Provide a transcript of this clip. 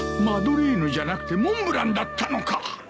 マドレーヌじゃなくてモンブランだったのか！